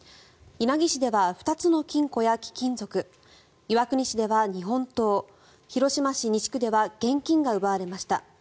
稲城市では２つの金庫や貴金属岩国市では日本刀広島市西区では現金が奪われました。